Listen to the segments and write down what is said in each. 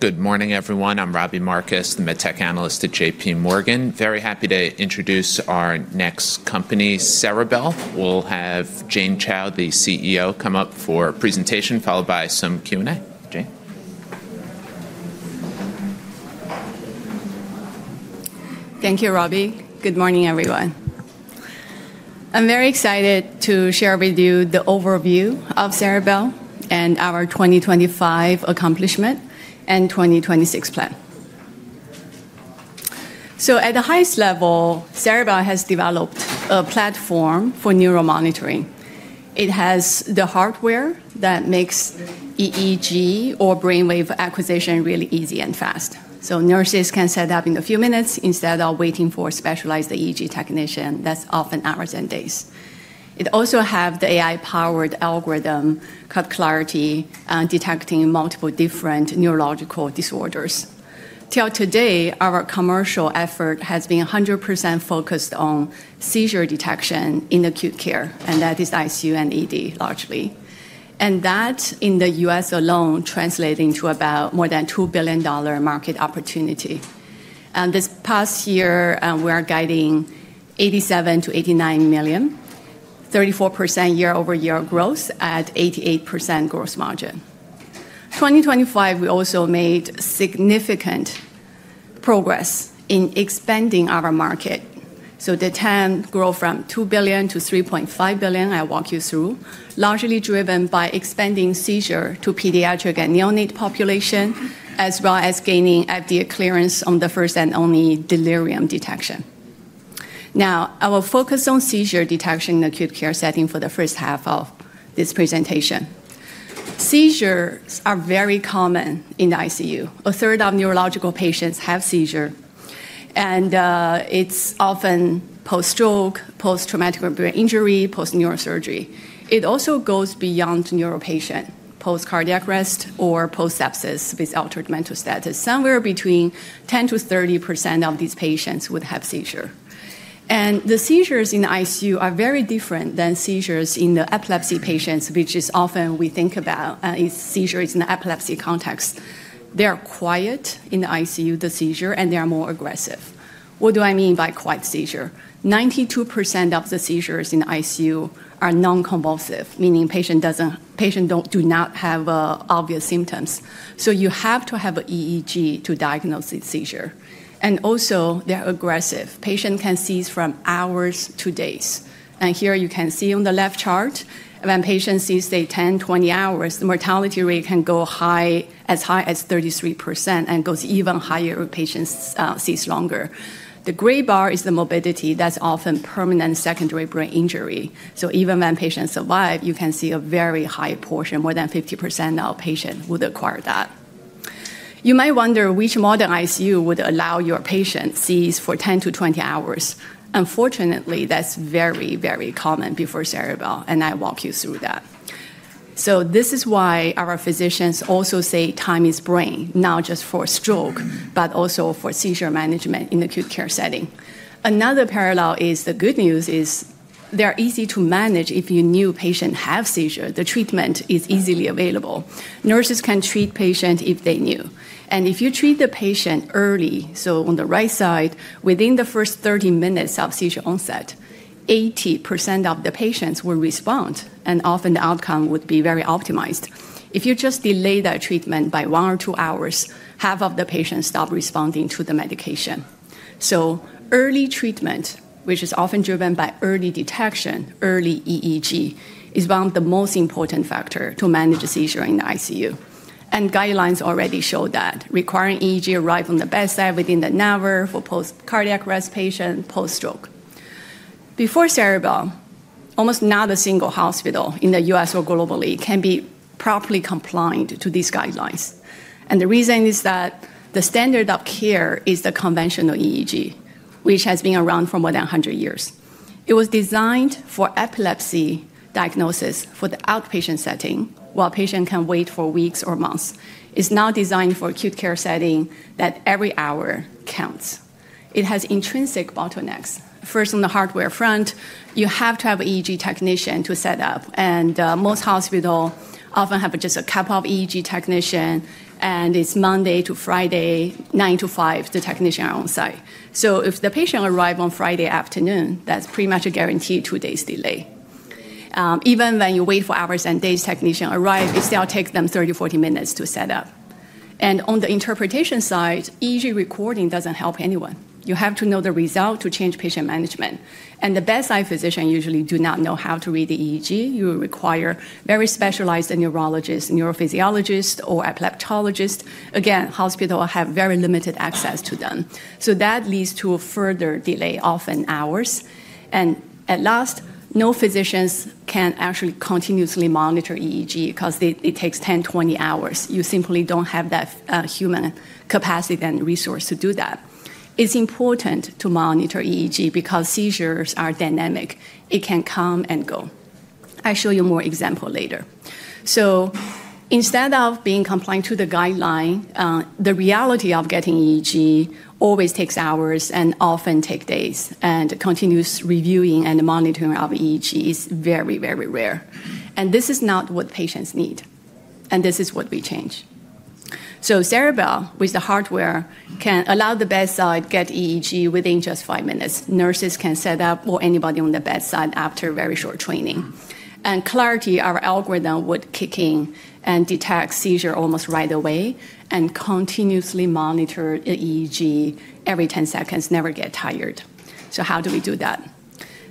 Good morning, everyone. I'm Robbie Marcus, the MedTech analyst at JPMorgan. Very happy to introduce our next company, Ceribell. We'll have Jane Chao, the CEO, come up for a presentation, followed by some Q&A. Jane? Thank you, Robbie. Good morning, everyone. I'm very excited to share with you the overview of Ceribell and our 2025 accomplishment and 2026 plan, so at the highest level, Ceribell has developed a platform for neuromonitoring. It has the hardware that makes EEG or brainwave acquisition really easy and fast. So nurses can set it up in a few minutes instead of waiting for a specialized EEG technician that's often hours and days. It also has the AI-powered algorithm called Clarity, detecting multiple different neurological disorders. Till today, our commercial effort has been 100% focused on seizure detection in acute care, and that is ICU and ED largely, and that, in the U.S. alone, translates into about more than $2 billion market opportunity. This past year, we are guiding $87 million-$89 million, 34% year-over-year growth at 88% gross margin. In 2025, we also made significant progress in expanding our market, so the TAM grew from $2 billion-$3.5 billion. I'll walk you through, largely driven by expanding seizure to pediatric and neonate population, as well as gaining FDA clearance on the first and only delirium detection. Now, I will focus on seizure detection in acute care setting for the first half of this presentation. Seizures are very common in the ICU. A third of neurological patients have seizures, and it's often post-stroke, post-traumatic brain injury, post-neurosurgery. It also goes beyond neuro patients, post-cardiac arrest or post-sepsis with altered mental status. Somewhere between 10%-30% of these patients would have seizures, and the seizures in the ICU are very different than seizures in the epilepsy patients, which is often we think about as seizures in the epilepsy context. They are quiet in the ICU, the seizures, and they are more aggressive. What do I mean by quiet seizures? 92% of the seizures in the ICU are non-convulsive, meaning patients do not have obvious symptoms. So you have to have an EEG to diagnose the seizure. And also, they are aggressive. Patients can seize from hours to days. And here you can see on the left chart, when patients seize 10, 20 hours, the mortality rate can go as high as 33% and goes even higher if patients seize longer. The gray bar is the morbidity that's often permanent secondary brain injury. So even when patients survive, you can see a very high portion, more than 50% of patients would acquire that. You might wonder which modern ICU would allow your patient to seize for 10-20 hours. Unfortunately, that's very, very common before Ceribell, and I'll walk you through that. So this is why our physicians also say time is brain, not just for stroke, but also for seizure management in acute care setting. Another parallel is the good news is they are easy to manage if you knew patients have seizures. The treatment is easily available. Nurses can treat patients if they knew. And if you treat the patient early, so on the right side, within the first 30 minutes of seizure onset, 80% of the patients will respond, and often the outcome would be very optimized. If you just delay that treatment by one or two hours, half of the patients stop responding to the medication. So early treatment, which is often driven by early detection, early EEG, is one of the most important factors to manage seizures in the ICU. And guidelines already show that requiring EEG arrives on the bedside within an hour for post-cardiac arrest patients, post-stroke. Before Ceribell, almost not a single hospital in the U.S. or globally can be properly compliant with these guidelines. And the reason is that the standard of care is the conventional EEG, which has been around for more than 100 years. It was designed for epilepsy diagnosis for the outpatient setting, while patients can wait for weeks or months. It's now designed for acute care setting that every hour counts. It has intrinsic bottlenecks. First, on the hardware front, you have to have an EEG technician to set up. And most hospitals often have just a couple of EEG technicians, and it's Monday to Friday, 9:00 A.M. to 5:00 P.M., the technicians are on site. So if the patient arrives on Friday afternoon, that's pretty much a guaranteed two-day delay. Even when you wait for hours and days the technician arrives, it still takes them 30, 40 minutes to set up, and on the interpretation side, EEG recording doesn't help anyone. You have to know the result to change patient management, and the bedside physicians usually do not know how to read the EEG. You require very specialized neurologists, neurophysiologists, or epileptologists. Again, hospitals have very limited access to them, so that leads to a further delay, often hours, and at last, no physician can actually continuously monitor EEG because it takes 10, 20 hours. You simply don't have that human capacity and resource to do that. It's important to monitor EEG because seizures are dynamic. It can come and go. I'll show you more examples later, so instead of being compliant with the guideline, the reality of getting EEG always takes hours and often takes days. And continuous reviewing and monitoring of EEG is very, very rare. And this is not what patients need. And this is what we change. So Ceribell, with the hardware, can allow the bedside to get EEG within just five minutes. Nurses can set up or anybody on the bedside after very short training. And Clarity, our algorithm, would kick in and detect seizures almost right away and continuously monitor the EEG every 10 seconds, never get tired. So how do we do that?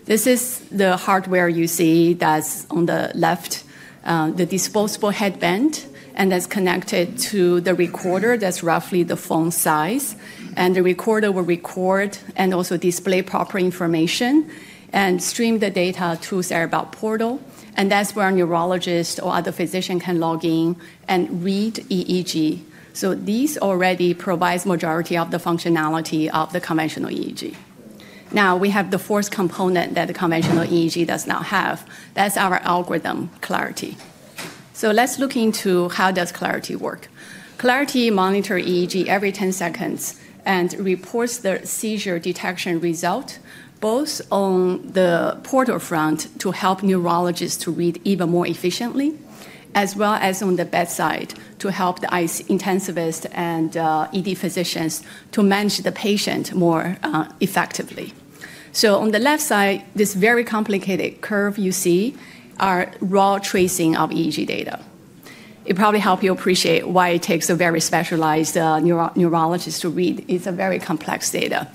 This is the hardware you see that's on the left, the disposable headband, and that's connected to the recorder that's roughly the phone size. And the recorder will record and also display proper information and stream the data to the Ceribell portal. And that's where a neurologist or other physician can log in and read EEG. So this already provides the majority of the functionality of the conventional EEG. Now, we have the fourth component that the conventional EEG does not have. That's our algorithm, Clarity. So let's look into how does Clarity work. Clarity monitors EEG every 10 seconds and reports the seizure detection result, both on the portal front to help neurologists to read even more efficiently, as well as on the bedside to help the ICU intensivists and ED physicians to manage the patient more effectively. So on the left side, this very complicated curve you see is raw tracing of EEG data. It probably helps you appreciate why it takes a very specialized neurologist to read. It's very complex data.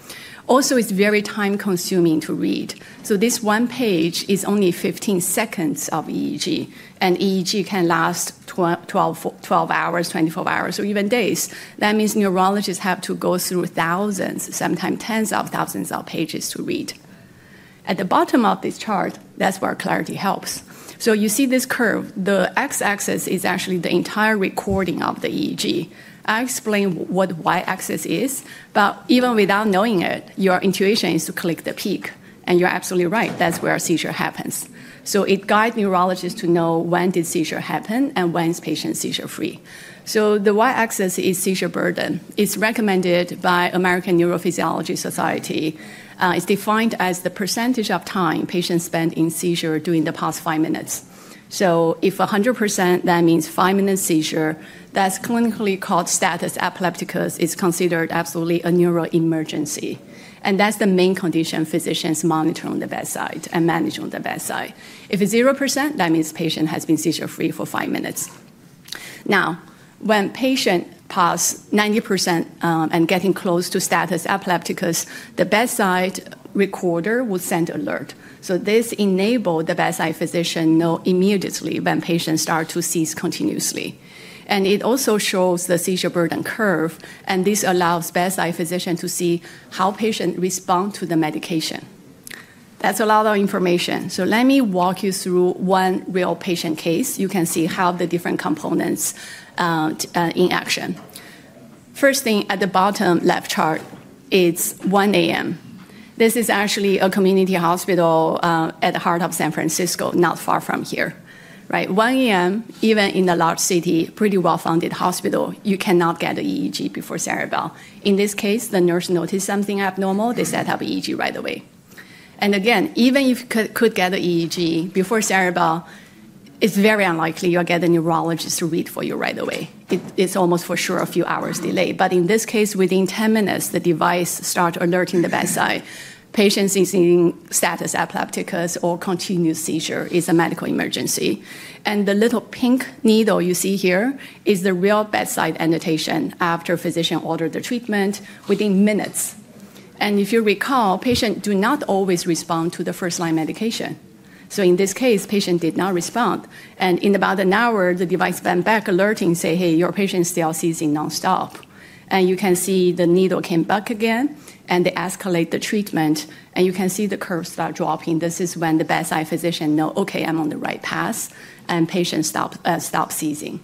Also, it's very time-consuming to read. So this one page is only 15 seconds of EEG. And EEG can last 12 hours, 24 hours, or even days. That means neurologists have to go through thousands, sometimes tens of thousands of pages to read. At the bottom of this chart, that's where Clarity helps, so you see this curve. The x-axis is actually the entire recording of the EEG. I'll explain what the y-axis is, but even without knowing it, your intuition is to click the peak, and you're absolutely right. That's where seizure happens, so it guides neurologists to know when did seizure happen and when is the patient seizure-free, so the y-axis is seizure burden. It's recommended by the American Neurophysiology Society. It's defined as the percentage of time patients spend in seizure during the past five minutes, so if 100%, that means five-minute seizure, that's clinically called status epilepticus. It's considered absolutely a neuroemergency, and that's the main condition physicians monitor on the bedside and manage on the bedside. If it's 0%, that means the patient has been seizure-free for five minutes. Now, when patients pass 90% and are getting close to status epilepticus, the bedside recorder will send an alert, so this enables the bedside physician to know immediately when patients start to seize continuously, and it also shows the seizure burden curve, and this allows bedside physicians to see how patients respond to the medication. That's a lot of information, so let me walk you through one real patient case. You can see how the different components are in action. First thing, at the bottom left chart, it's 1:00 A.M. This is actually a community hospital at the heart of San Francisco, not far from here. At 1:00 A.M., even in a large city, a pretty well-funded hospital, you cannot get an EEG before Ceribell. In this case, the nurse notices something abnormal. They set up an EEG right away, and again, even if you could get an EEG before Ceribell, it's very unlikely you'll get a neurologist to read for you right away. It's almost for sure a few hours' delay, but in this case, within 10 minutes, the device starts alerting the bedside. Patients are seeing status epilepticus or continuous seizure is a medical emergency, and the little pink needle you see here is the real bedside annotation after the physician ordered the treatment within minutes, and if you recall, patients do not always respond to the first-line medication, so in this case, the patient did not respond, and in about an hour, the device went back alerting and saying, "Hey, your patient is still seizing nonstop." And you can see the needle came back again, and they escalate the treatment, and you can see the curve start dropping. This is when the bedside physician knows, "OK, I'm on the right path," and patients stop seizing,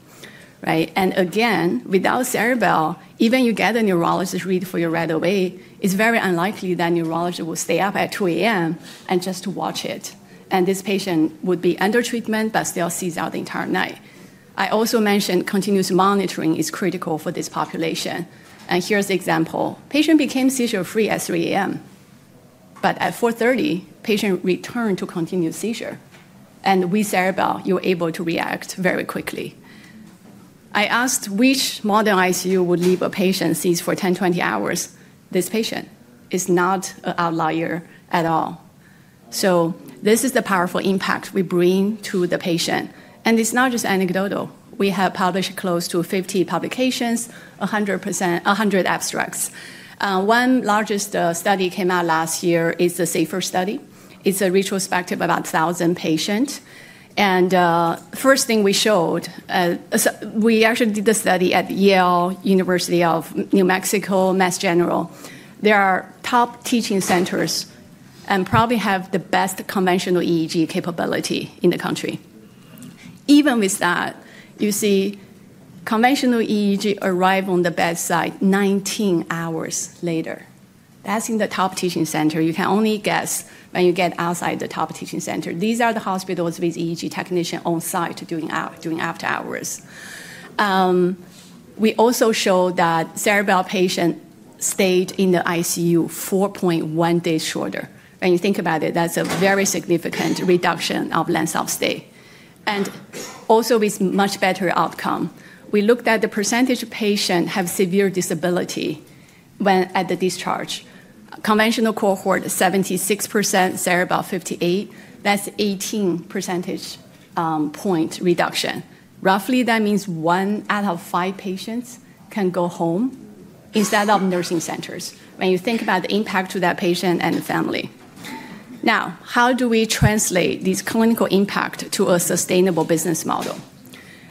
and again, without Ceribell, even if you get a neurologist to read for you right away, it's very unlikely that a neurologist will stay up at 2:00 A.M. and just watch it. And this patient would be under treatment, but still seize out the entire night. I also mentioned continuous monitoring is critical for this population, and here's the example. The patient became seizure-free at 3:00 A.M., but at 4:30 A.M., the patient returned to continuous seizure, and with Ceribell, you're able to react very quickly. I asked which modern ICU would leave a patient seizing for 10, 20 hours. This patient is not an outlier at all, so this is the powerful impact we bring to the patient, and it's not just anecdotal. We have published close to 50 publications, 100 abstracts. Our largest study came out last year is the SAFER study. It's a retrospective of about 1,000 patients. The first thing we showed we actually did the study at Yale, University of New Mexico, Mass General. They are top teaching centers and probably have the best conventional EEG capability in the country. Even with that, you see conventional EEG arrives on the bedside 19 hours later. That's in the top teaching center. You can only guess when you get outside the top teaching center. These are the hospitals with EEG technicians on site during after-hours. We also showed that Ceribell patients stayed in the ICU 4.1 days shorter. When you think about it, that's a very significant reduction of length of stay. Also, with much better outcome, we looked at the percentage of patients who have severe disability at the discharge. Conventional cohort, 76%. Ceribell, 58%. That's an 18 percentage point reduction. Roughly, that means one out of five patients can go home instead of nursing centers. When you think about the impact to that patient and the family. Now, how do we translate this clinical impact to a sustainable business model?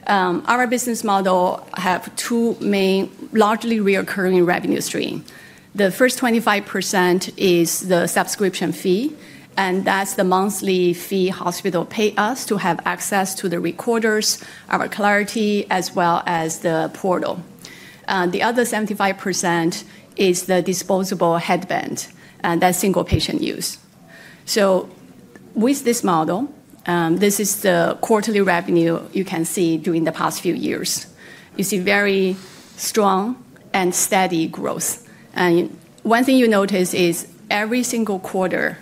Our business model has two main largely reoccurring revenue streams. The first 25% is the subscription fee, and that's the monthly fee hospital pays us to have access to the recorders, our Clarity, as well as the portal. The other 75% is the disposable headband, and that's single patient use. So with this model, this is the quarterly revenue you can see during the past few years. You see very strong and steady growth, and one thing you notice is every single quarter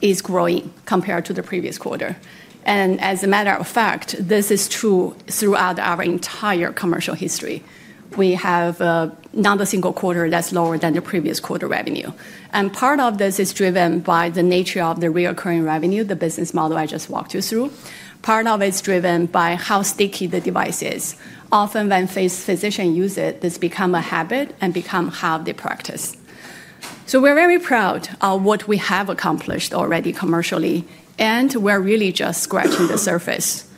is growing compared to the previous quarter, and as a matter of fact, this is true throughout our entire commercial history. We have not a single quarter that's lower than the previous quarter revenue. And part of this is driven by the nature of the recurring revenue, the business model I just walked you through. Part of it is driven by how sticky the device is. Often, when physicians use it, this becomes a habit and becomes how they practice. So we're very proud of what we have accomplished already commercially. And we're really just scratching the surface.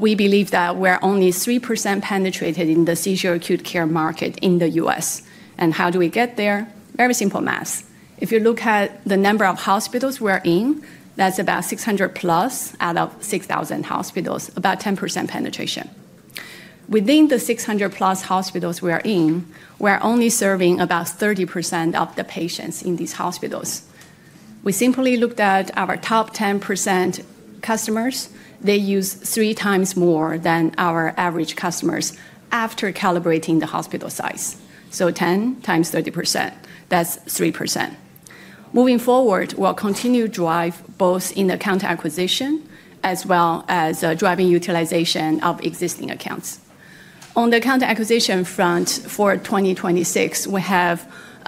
We believe that we're only 3% penetrated in the seizure acute care market in the U.S. And how do we get there? Very simple math. If you look at the number of hospitals we're in, that's about 600+ out of 6,000 hospitals, about 10% penetration. Within the 600 plus hospitals we're in, we're only serving about 30% of the patients in these hospitals. We simply looked at our top 10% customers. They use 3x more than our average customers after calibrating the hospital size, so 10 x 30%, that's 3%. Moving forward, we'll continue to drive both in account acquisition as well as driving utilization of existing accounts. On the account acquisition front for 2026, we have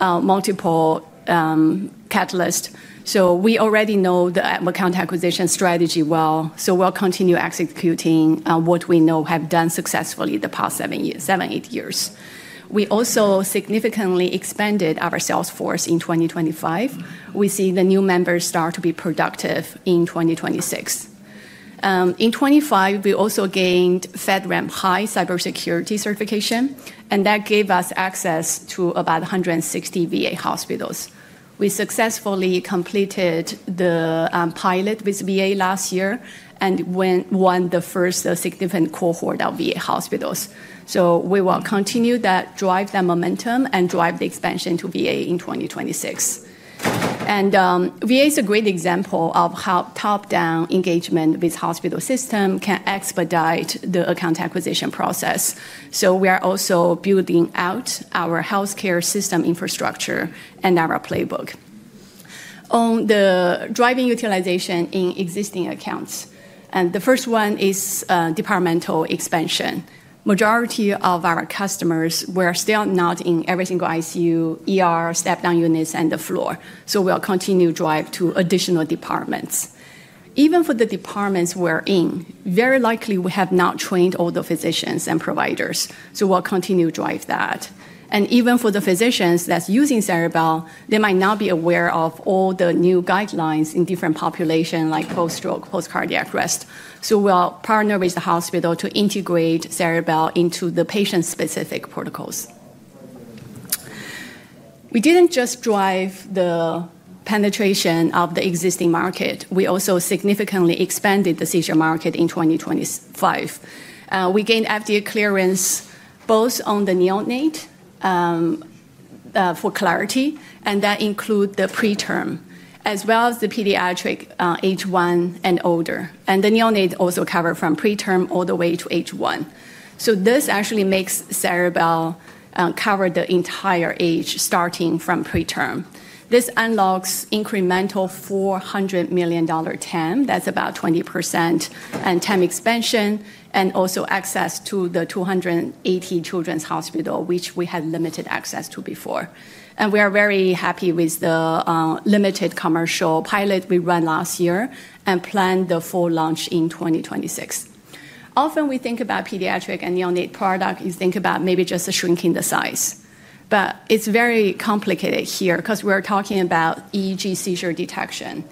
multiple catalysts, so we already know the account acquisition strategy well, so we'll continue executing what we know we have done successfully the past seven, eight years. We also significantly expanded our sales force in 2025. We see the new members start to be productive in 2026. In 2025, we also gained FedRAMP High Cybersecurity certification, and that gave us access to about 160 VA hospitals. We successfully completed the pilot with VA last year and won the first significant cohort of VA hospitals, so we will continue to drive that momentum and drive the expansion to VA in 2026. VA is a great example of how top-down engagement with the hospital system can expedite the account acquisition process. We are also building out our health care system infrastructure and our playbook. On the driving utilization in existing accounts, the first one is departmental expansion. The majority of our customers, we're still not in every single ICU, step-down units, and the floor. We'll continue to drive to additional departments. Even for the departments we're in, very likely we have not trained all the physicians and providers. We'll continue to drive that. Even for the physicians that are using Ceribell, they might not be aware of all the new guidelines in different populations, like post-stroke, post-cardiac arrest. We'll partner with the hospital to integrate Ceribell into the patient-specific protocols. We didn't just drive the penetration of the existing market. We also significantly expanded the seizure market in 2025. We gained FDA clearance both on the neonate for Clarity, and that includes the preterm, as well as the pediatric age one and older, and the neonate also covers from preterm all the way to age one, so this actually makes Ceribell cover the entire age, starting from preterm. This unlocks incremental $400 million TAM. That's about 20% and TAM expansion, and also access to the 280 children's hospital, which we had limited access to before, and we are very happy with the limited commercial pilot we ran last year and planned the full launch in 2026. Often, we think about pediatric and neonate products. You think about maybe just shrinking the size, but it's very complicated here because we're talking about EEG seizure detection.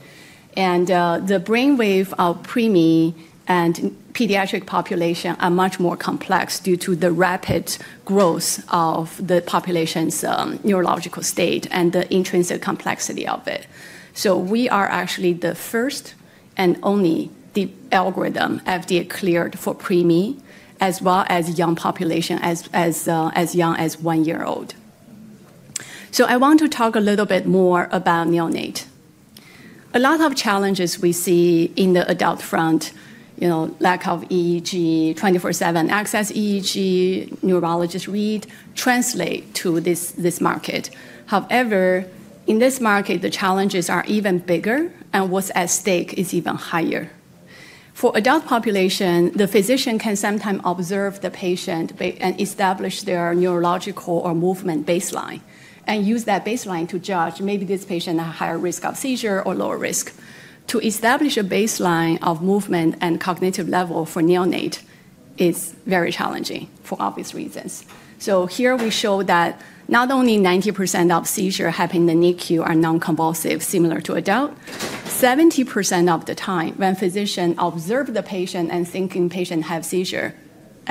And the brainwave of preemie and pediatric population are much more complex due to the rapid growth of the population's neurological state and the intrinsic complexity of it. So we are actually the first and only algorithm FDA-cleared for preemie, as well as a young population as young as one-year-old. So I want to talk a little bit more about neonate. A lot of challenges we see in the adult front, lack of EEG, 24/7 access EEG, neurologists read, translate to this market. However, in this market, the challenges are even bigger, and what's at stake is even higher. For adult population, the physician can sometimes observe the patient and establish their neurological or movement baseline and use that baseline to judge maybe this patient has a higher risk of seizure or lower risk. To establish a baseline of movement and cognitive level for neonate is very challenging for obvious reasons. So here we show that not only 90% of seizures happen in the NICU are non-convulsive, similar to adults. 70% of the time when physicians observe the patient and think the patient has seizure,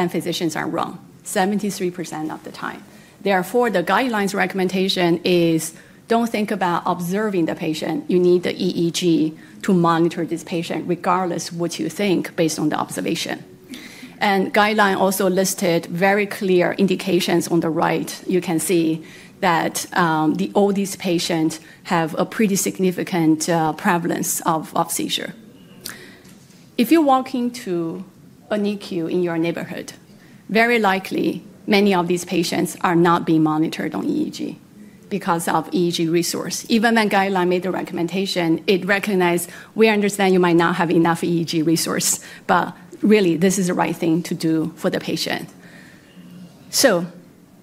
physicians are wrong 73% of the time. Therefore, the guidelines recommendation is don't think about observing the patient. You need the EEG to monitor this patient, regardless of what you think based on the observation, and the guideline also listed very clear indications on the right. You can see that all these patients have a pretty significant prevalence of seizure. If you walk into a NICU in your neighborhood, very likely many of these patients are not being monitored on EEG because of EEG resource. Even when the guideline made the recommendation, it recognized we understand you might not have enough EEG resource. But really, this is the right thing to do for the patient.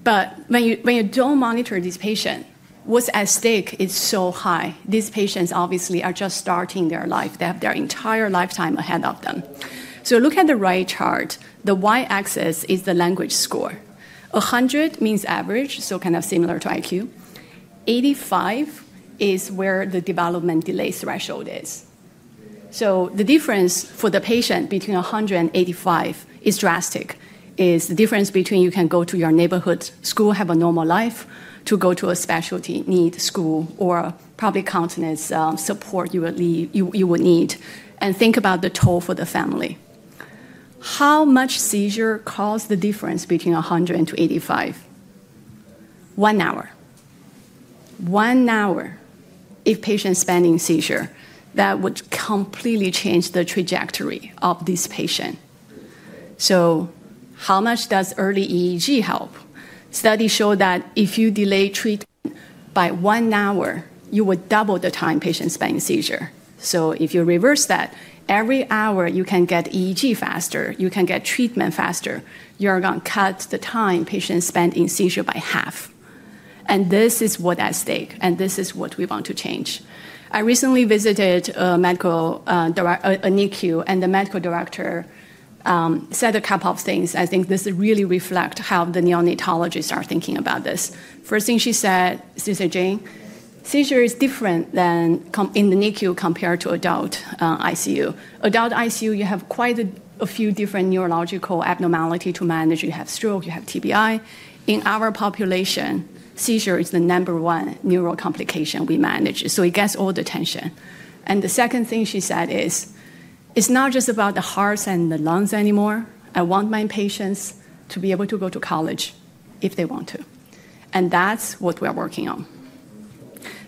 But when you don't monitor this patient, what's at stake is so high. These patients obviously are just starting their life. They have their entire lifetime ahead of them. So look at the right chart. The y-axis is the language score. 100 means average, so kind of similar to IQ. 85 is where the development delay threshold is. So the difference for the patient between 100 and 85 is drastic. It's the difference between you can go to your neighborhood school, have a normal life, to go to a specialty need school, or public counseling support you would need, and think about the toll for the family. How much seizure caused the difference between 100 and 85? One hour. One hour, if a patient is spending in seizure, that would completely change the trajectory of this patient. So how much does early EEG help? Studies show that if you delay treatment by one hour, you would double the time a patient spends in seizure. So if you reverse that, every hour you can get EEG faster, you can get treatment faster, you're going to cut the time a patient spends in seizure by half, and this is what's at stake, and this is what we want to change. I recently visited a NICU, and the medical director said a couple of things. I think this really reflects how the neonatologists are thinking about this. First thing she said, she said, Jane, seizure is different in the NICU compared to adult ICU. Adult ICU, you have quite a few different neurological abnormalities to manage. You have stroke. You have TBI. In our population, seizure is the number one neuro complication we manage. So it gets all the attention. And the second thing she said is it's not just about the hearts and the lungs anymore. I want my patients to be able to go to college if they want to. And that's what we're working on.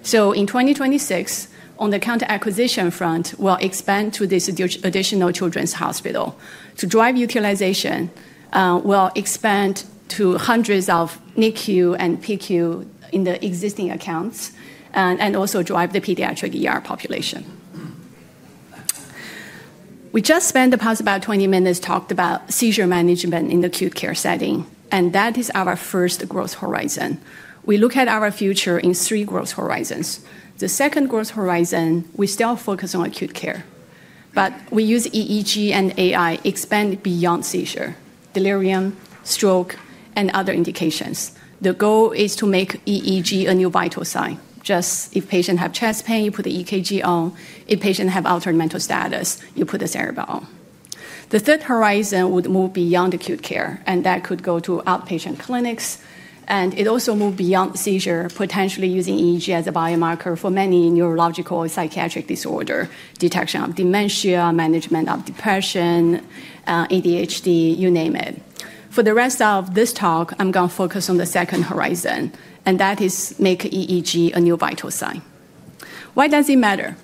So in 2026, on the account acquisition front, we'll expand to this additional children's hospital. To drive utilization, we'll expand to hundreds of NICU and PICU in the existing accounts and also drive the pediatric population. We just spent the past about 20 minutes talking about seizure management in the acute care setting. And that is our first growth horizon. We look at our future in three growth horizons. The second growth horizon, we still focus on acute care. But we use EEG and AI to expand beyond seizure, delirium, stroke, and other indications. The goal is to make EEG a new vital sign. Just if a patient has chest pain, you put the EKG on. If a patient has altered mental status, you put the Ceribell on. The third horizon would move beyond acute care, and that could go to outpatient clinics, and it also moves beyond seizure, potentially using EEG as a biomarker for many neurological or psychiatric disorders, detection of dementia, management of depression, ADHD, you name it. For the rest of this talk, I'm going to focus on the second horizon, and that is making EEG a new vital sign. Why does it matter?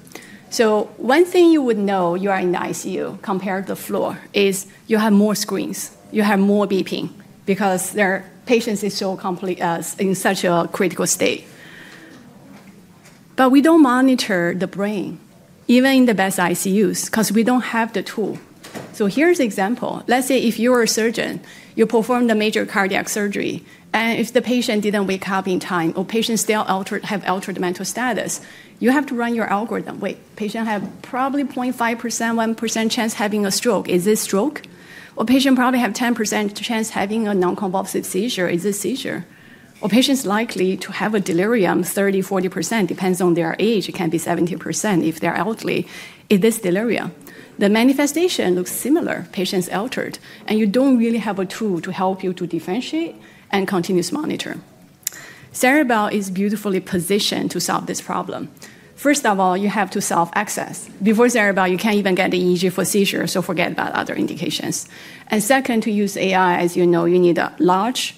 So one thing you would know you are in the ICU compared to the floor is you have more screens. You have more beeping because the patient is in such a critical state. But we don't monitor the brain, even in the best ICUs, because we don't have the tool. So here's an example. Let's say if you are a surgeon, you perform the major cardiac surgery. And if the patient didn't wake up in time or patients still have altered mental status, you have to run your algorithm. Wait, patient has probably 0.5%, 1% chance of having a stroke. Is this stroke? Or patient probably has a 10% chance of having a non-convulsive seizure. Is this seizure? Or patient's likely to have a delirium, 30%, 40%, depends on their age. It can be 70% if they're elderly. Is this delirium? The manifestation looks similar. Patient's altered. And you don't really have a tool to help you to differentiate and continuous monitor. Ceribell is beautifully positioned to solve this problem. First of all, you have to solve access. Before Ceribell, you can't even get the EEG for seizure, so forget about other indications, and second, to use AI, as you know, you need a large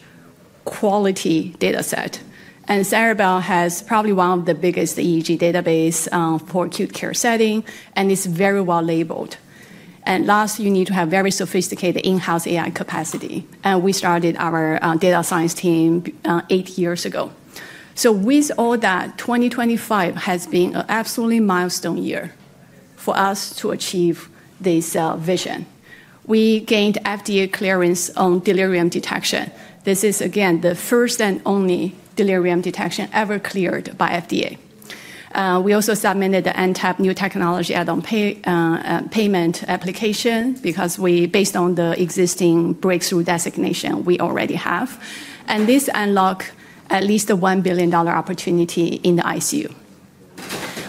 quality data set, and Ceribell has probably one of the biggest EEG databases for acute care setting, and it's very well labeled, and last, you need to have very sophisticated in-house AI capacity, and we started our data science team eight years ago, so with all that, 2025 has been an absolutely milestone year for us to achieve this vision. We gained FDA clearance on delirium detection. This is, again, the first and only delirium detection ever cleared by FDA. We also submitted the NTAP New Technology Add-on Payment application based on the existing breakthrough designation we already have, and this unlocked at least a $1 billion opportunity in the ICU.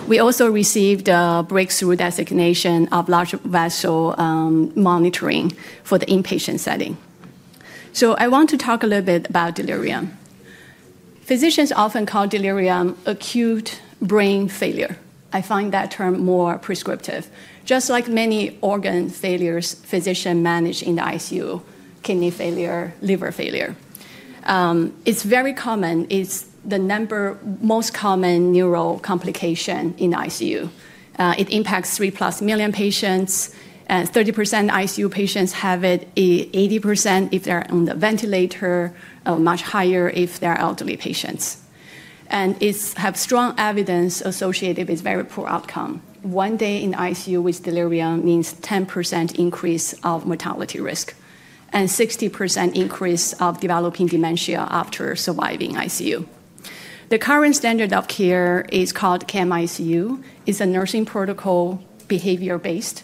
We also received a breakthrough designation of large vessel monitoring for the inpatient setting. So I want to talk a little bit about delirium. Physicians often call delirium acute brain failure. I find that term more prescriptive. Just like many organ failures physicians manage in the ICU, kidney failure, liver failure, it's very common. It's the most common neuro complication in the ICU. It impacts 3+ million patients. 30% of ICU patients have it, 80% if they're on the ventilator, much higher if they're elderly patients. And it has strong evidence associated with very poor outcome. One day in the ICU with delirium means a 10% increase of mortality risk and a 60% increase of developing dementia after surviving ICU. The current standard of care is called CAM-ICU. It's a nursing protocol, behavior-based.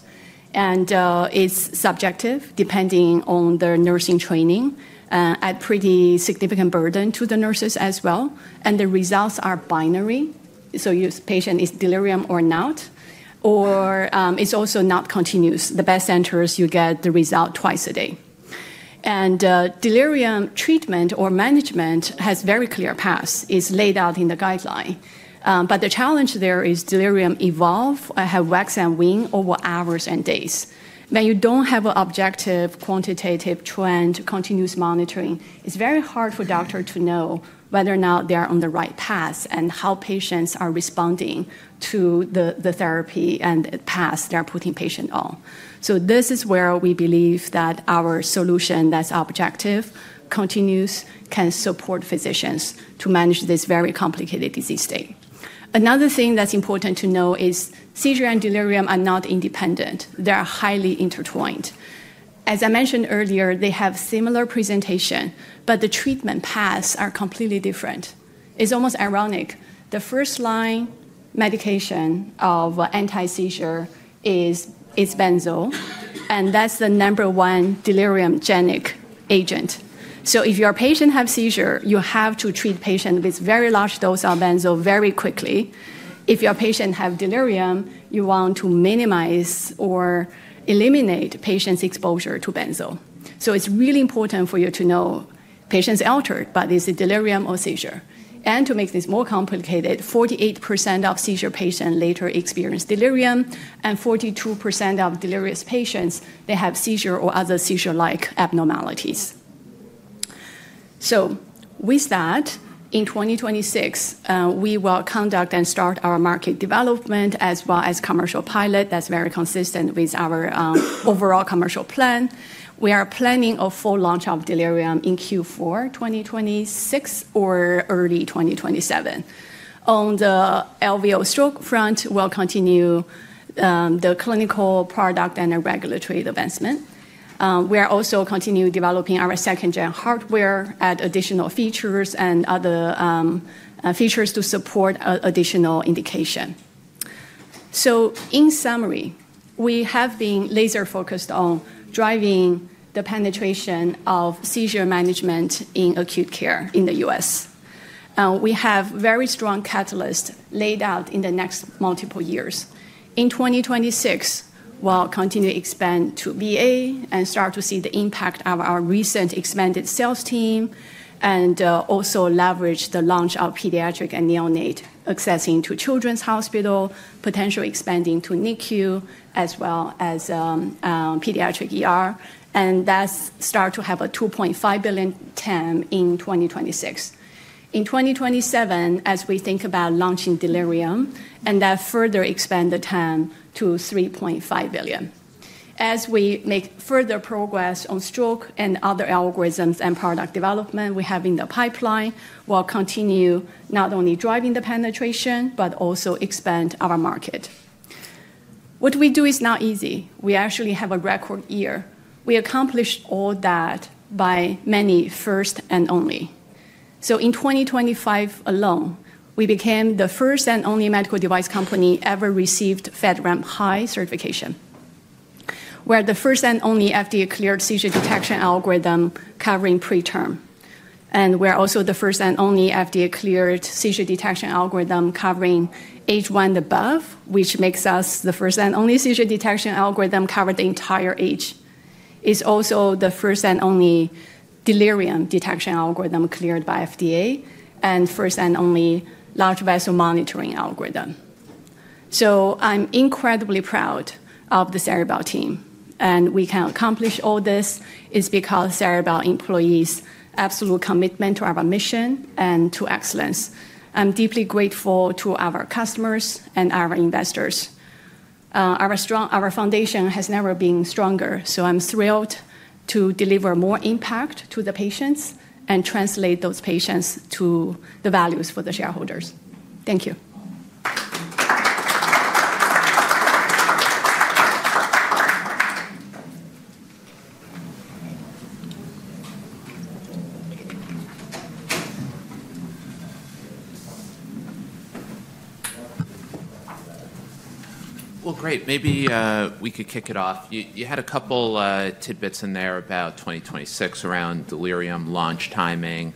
It's subjective, depending on the nursing training, and a pretty significant burden to the nurses as well. The results are binary. So your patient is delirium or not. Or it's also not continuous. The best centers, you get the result twice a day. Delirium treatment or management has very clear paths. It's laid out in the guideline. But the challenge there is delirium evolves, have wax and wane over hours and days. When you don't have an objective quantitative trend, continuous monitoring, it's very hard for doctors to know whether or not they are on the right path and how patients are responding to the therapy and path they're putting patients on. This is where we believe that our solution that's objective, continuous, can support physicians to manage this very complicated disease state. Another thing that's important to know is seizure and delirium are not independent. They are highly intertwined. As I mentioned earlier, they have similar presentation, but the treatment paths are completely different. It's almost ironic. The first line medication of anti-seizure is benzo, and that's the number one deliriogenic agent. So if your patient has seizure, you have to treat the patient with a very large dose of benzo very quickly. If your patient has delirium, you want to minimize or eliminate patient's exposure to benzo. So it's really important for you to know patient's altered, but is it delirium or seizure? And to make this more complicated, 48% of seizure patients later experience delirium. And 42% of delirious patients, they have seizure or other seizure-like abnormalities. So with that, in 2026, we will conduct and start our market development as well as commercial pilot that's very consistent with our overall commercial plan. We are planning a full launch of Delirium in Q4 2026 or early 2027. On the LVO stroke front, we'll continue the clinical product and regulatory advancement. We are also continuing developing our second-gen hardware and additional features and other features to support additional indication. So in summary, we have been laser-focused on driving the penetration of seizure management in acute care in the US. We have very strong catalysts laid out in the next multiple years. In 2026, we'll continue to expand to VA and start to see the impact of our recent expanded sales team and also leverage the launch of pediatric and neonate accessing to children's hospital, potentially expanding to NICU as well as pediatric, and that starts to have a $2.5 billion TAM in 2026. In 2027, as we think about launching Delirium, and that further expands the TAM to $3.5 billion. As we make further progress on stroke and other algorithms and product development we have in the pipeline, we'll continue not only driving the penetration but also expand our market. What we do is not easy. We actually have a record year. We accomplished all that by many first and only. So in 2025 alone, we became the first and only medical device company ever received FedRAMP High certification, where the first and only FDA-cleared seizure detection algorithm covering preterm. And we're also the first and only FDA-cleared seizure detection algorithm covering age one and above, which makes us the first and only seizure detection algorithm covering the entire age. It's also the first and only delirium detection algorithm cleared by FDA and first and only large vessel monitoring algorithm. So I'm incredibly proud of the Ceribell team. And we can accomplish all this is because Ceribell employees' absolute commitment to our mission and to excellence. I'm deeply grateful to our customers and our investors. Our foundation has never been stronger. So I'm thrilled to deliver more impact to the patients and translate those patients to the values for the shareholders. Thank you. Well, great. Maybe we could kick it off. You had a couple tidbits in there about 2026 around Delirium launch timing.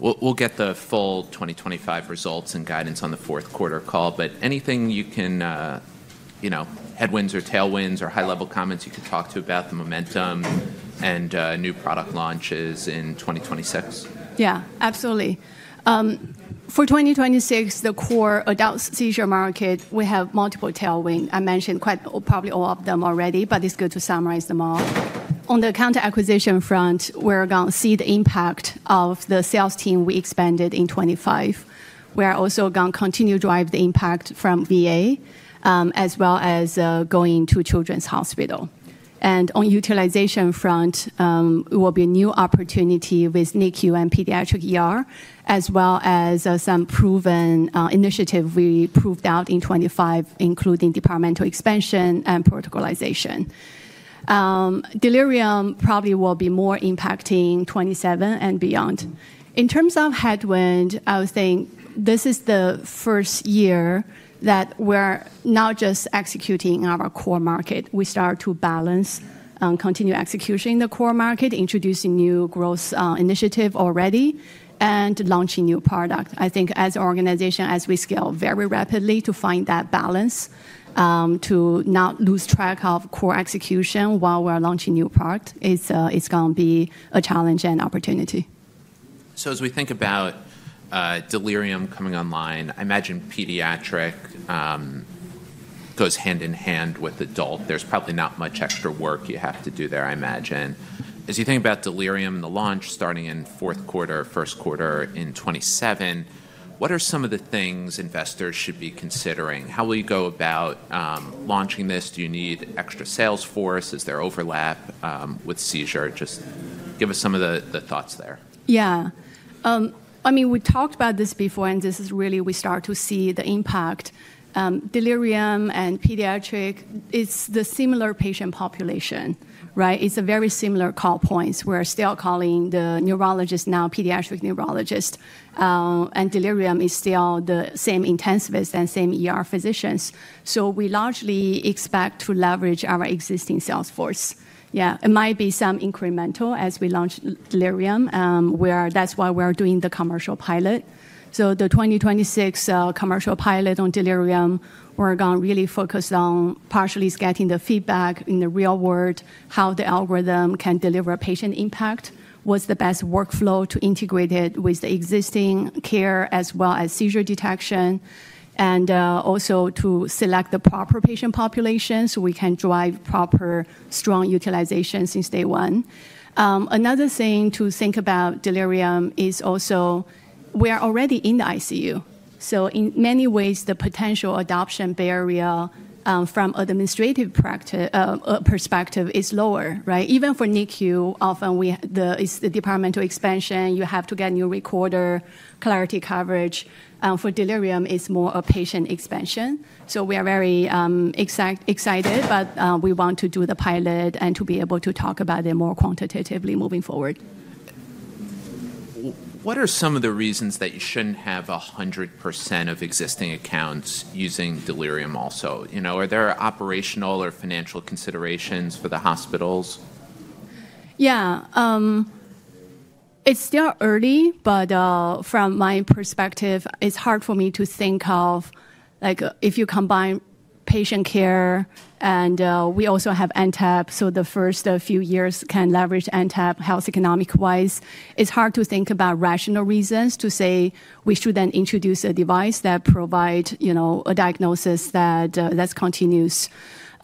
We'll get the full 2025 results and guidance on the fourth quarter call. But anything you can, headwinds or tailwinds or high-level comments you could talk to about the momentum and new product launches in 2026? Yeah, absolutely. For 2026, the core adult seizure market, we have multiple tailwinds. I mentioned probably all of them already, but it's good to summarize them all. On the account acquisition front, we're going to see the impact of the sales team we expanded in 2025. We're also going to continue to drive the impact from VA as well as going to children's hospital. And on utilization front, it will be a new opportunity with NICU and pediatric as well as some proven initiatives we proved out in 2025, including departmental expansion and protocolization. Delirium probably will be more impacting 2027 and beyond. In terms of headwind, I would think this is the first year that we're not just executing our core market. We start to balance on continuing execution in the core market, introducing new growth initiatives already, and launching new products. I think as an organization, as we scale very rapidly to find that balance, to not lose track of core execution while we're launching new products, it's going to be a challenge and opportunity. So as we think about Delirium coming online, I imagine pediatric goes hand in hand with adult. There's probably not much extra work you have to do there, I imagine. As you think about Delirium and the launch starting in fourth quarter, first quarter in 2027, what are some of the things investors should be considering? How will you go about launching this? Do you need extra sales force? Is there overlap with seizure? Just give us some of the thoughts there. Yeah. I mean, we talked about this before. And this is really we start to see the impact. Delirium and pediatric, it's the similar patient population. It's a very similar call points. We're still calling the neurologist now pediatric neurologist. And Delirium is still the same intensivists and same physicians. So we largely expect to leverage our existing sales force. Yeah, it might be some incremental as we launch Delirium, where that's why we're doing the commercial pilot. So the 2026 commercial pilot on Delirium, we're going to really focus on partially getting the feedback in the real world, how the algorithm can deliver patient impact, what's the best workflow to integrate it with the existing care as well as seizure detection, and also to select the proper patient population so we can drive proper strong utilization since day one. Another thing to think about Delirium is also we are already in the ICU. So in many ways, the potential adoption barrier from administrative perspective is lower. Even for NICU, often it's the departmental expansion. You have to get new recorder, Clarity coverage. For Delirium, it's more a patient expansion. So we are very excited. But we want to do the pilot and to be able to talk about it more quantitatively moving forward. What are some of the reasons that you shouldn't have 100% of existing accounts using Delirium also? Are there operational or financial considerations for the hospitals? Yeah. It's still early. But from my perspective, it's hard for me to think of if you combine patient care and we also have NTAP, so the first few years can leverage NTAP health economic-wise, it's hard to think about rational reasons to say we shouldn't introduce a device that provides a diagnosis that's continuous.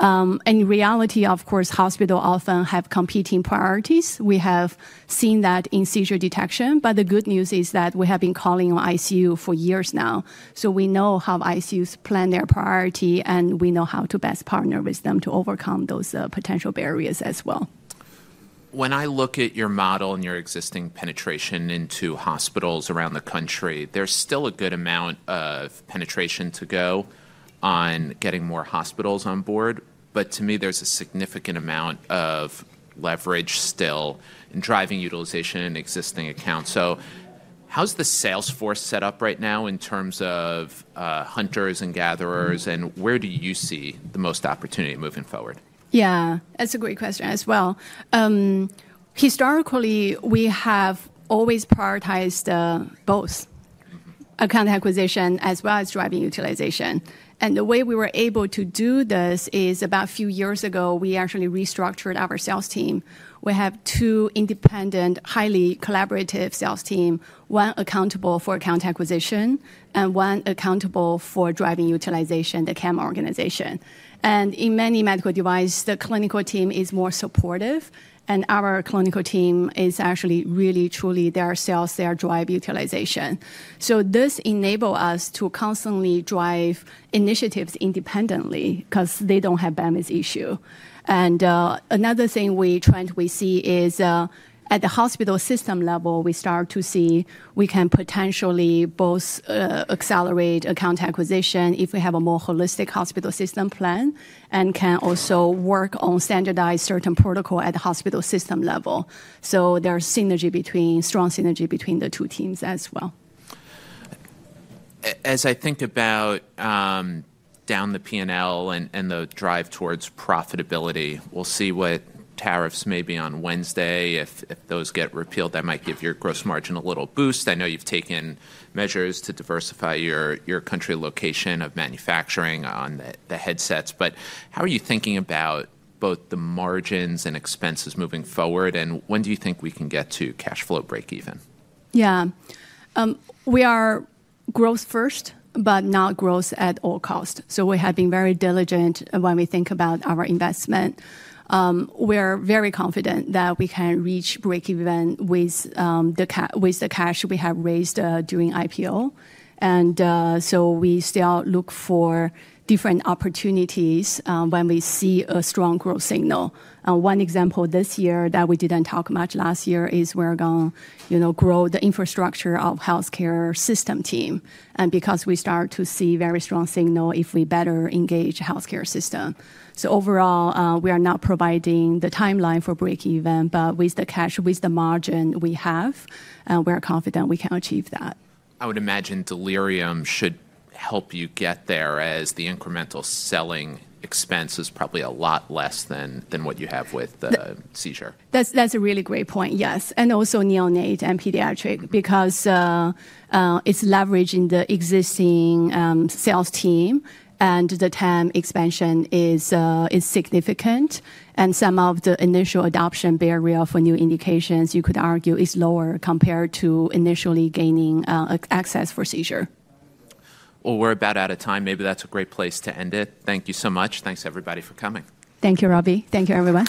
In reality, of course, hospitals often have competing priorities. We have seen that in seizure detection. But the good news is that we have been calling on ICU for years now. So we know how ICUs plan their priority. And we know how to best partner with them to overcome those potential barriers as well. When I look at your model and your existing penetration into hospitals around the country, there's still a good amount of penetration to go on getting more hospitals on board. But to me, there's a significant amount of leverage still in driving utilization in existing accounts. So how's the sales force set up right now in terms of hunters and gatherers? And where do you see the most opportunity moving forward? Yeah, that's a great question as well. Historically, we have always prioritized both account acquisition as well as driving utilization. And the way we were able to do this is about a few years ago, we actually restructured our sales team. We have two independent, highly collaborative sales teams, one accountable for account acquisition and one accountable for driving utilization, the CAM organization. In many medical devices, the clinical team is more supportive. Our clinical team is actually really, truly their sales, their drive utilization. This enables us to constantly drive initiatives independently because they don't have them as issue. Another thing we try to see is at the hospital system level, we start to see we can potentially both accelerate account acquisition if we have a more holistic hospital system plan and can also work on standardized certain protocol at the hospital system level. There's strong synergy between the two teams as well. As I think about down the P&L and the drive towards profitability, we'll see what tariffs may be on Wednesday. If those get repealed, that might give your gross margin a little boost. I know you've taken measures to diversify your country location of manufacturing on the headsets. But how are you thinking about both the margins and expenses moving forward? And when do you think we can get to cash flow break-even? Yeah. We are growth first, but not growth at all cost. So we have been very diligent when we think about our investment. We are very confident that we can reach break-even with the cash we have raised during IPO. And so we still look for different opportunities when we see a strong growth signal. One example this year that we didn't talk much last year is we're going to grow the infrastructure of health care system team. And because we start to see very strong signal if we better engage health care system. So overall, we are not providing the timeline for break-even. But with the cash, with the margin we have, we are confident we can achieve that. I would imagine Delirium should help you get there as the incremental selling expense is probably a lot less than what you have with seizure. That's a really great point, yes. And also neonate and pediatric because it's leveraging the existing sales team. And the TAM expansion is significant. And some of the initial adoption barrier for new indications, you could argue, is lower compared to initially gaining access for seizure. Well, we're about out of time. Maybe that's a great place to end it. Thank you so much. Thanks, everybody, for coming. Thank you, Robbie. Thank you, everyone.